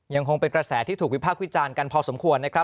ยังคงเป็นกระแสที่ถูกวิพากษ์วิจารณ์กันพอสมควรนะครับ